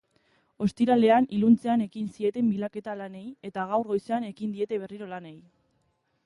Ostiralean iluntzean ekin zieten bilaketa lanei eta gaur goizean ekin diete berriro lanei.